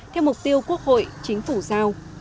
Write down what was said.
theo mục tiêu quốc hội chính phủ giao